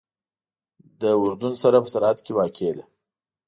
له اردن سره په سرحد کې واقع ده.